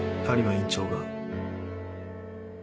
院長が？